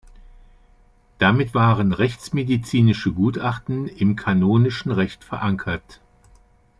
Damit waren rechtsmedizinische Gutachten im kanonischen Recht verankert.